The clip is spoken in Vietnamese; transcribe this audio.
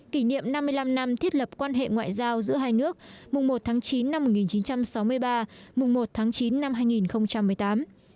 kỷ niệm năm mươi năm năm thiết lập quan hệ ngoại giao giữa hai nước mùng một tháng chín năm một nghìn chín trăm sáu mươi ba mùng một tháng chín năm hai nghìn một mươi tám